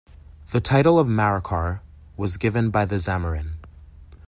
The title of "Marakkar" was given by the Zamorin.